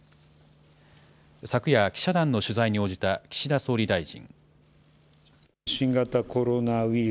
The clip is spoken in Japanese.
昨夜、記者団の取材に応じた岸田総理大臣。